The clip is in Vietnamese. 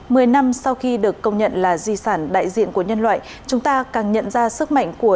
mười năm sau khi được công nhận là di sản đại diện của nhân loại chúng ta càng nhận ra sức mạnh của